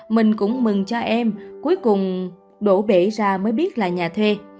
mình cũng mừng cho em cuối cùng đổ bể ra mới biết là nhà thê